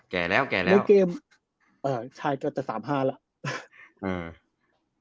แก่แล้วในเกมชายเกือดแต่๓๕แล้ว